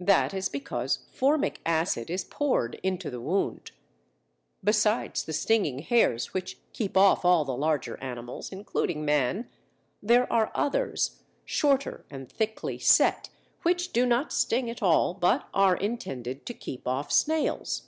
That is because formic acid is poured into the wound. Besides the stinging hairs which keep off all the larger animals (including man) there are others, shorter and thickly set, which do not sting at all, but are intended to keep off snails.